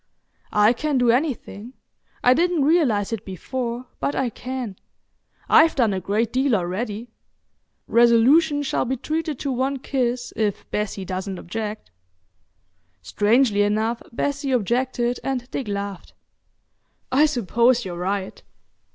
"I can do anything. I didn't realise it before, but I can. I've done a great deal already. Resolution shall be treated to one kiss if Bessie doesn't object." Strangely enough, Bessie objected and Dick laughed. "I suppose you're right.